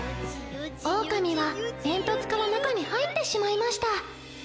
オオカミは煙突から中に入ってしまいました。